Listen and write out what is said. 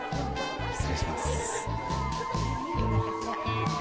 失礼します。